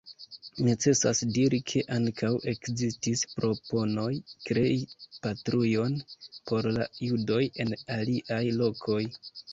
Necesas diri ke ankaŭ ekzistis proponoj krei patrujon por la judoj en aliaj lokoj.